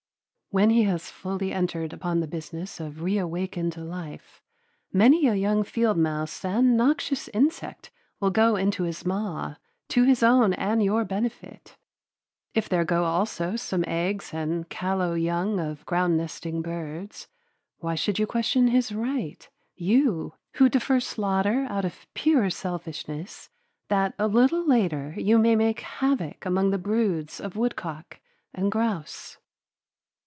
When he has fully entered upon the business of reawakened life, many a young field mouse and noxious insect will go into his maw to his own and your benefit. If there go also some eggs and callow young of ground nesting birds, why should you question his right, you, who defer slaughter out of pure selfishness, that a little later you may make havoc among the broods of woodcock and grouse?